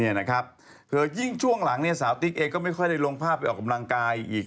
คือยิ่งช่วงหลังเนี่ยสาวติ๊กเองก็ไม่ค่อยได้ลงภาพไปออกกำลังกายอีก